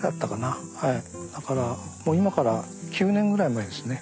だから今から９年ぐらい前ですね。